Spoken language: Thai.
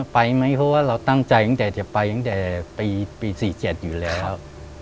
ไปไหมเพราะว่าเราตั้งใจไปตั้งแต่ปี๔๗อยู่แล้ว